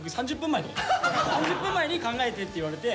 ３０分前に「考えて」って言われて。